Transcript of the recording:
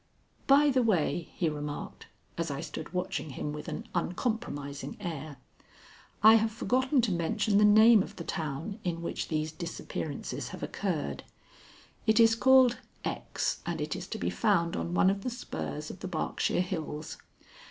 "By the way," he remarked, as I stood watching him with an uncompromising air, "I have forgotten to mention the name of the town in which these disappearances have occurred. It is called X., and it is to be found on one of the spurs of the Berkshire Hills."